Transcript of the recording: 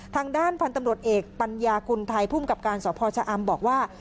ทางด้านพันธุ์ตำรวจเอกปัญญากุลไทยภูมิกับการสพชะอำบอกว่า